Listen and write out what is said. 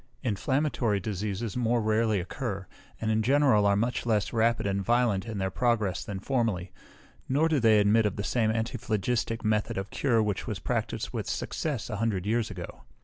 Inflammatory diseases more rarely occur, and in general are much less rapid and violent in their progress than formerly; nor do they admit of the same antiphlogistic method of cure which was practised with success a hundred years ago.